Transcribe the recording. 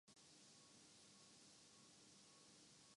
ہر ایک کی پسند و